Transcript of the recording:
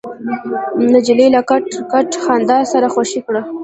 نجلۍ له کټ کټ خندا سره خوشې کړ.